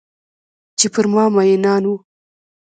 چې پر ما میینان وه